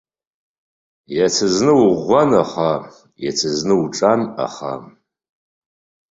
Иацызны уӷәӷәан аха, иацызны уҿан аха.